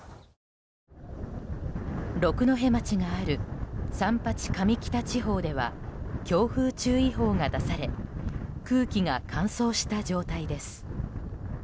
六戸町がある三八上北地方では強風注意報が出され空気が乾燥した状態です。